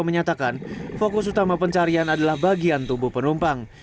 menyatakan fokus utama pencarian adalah bagian tubuh penumpang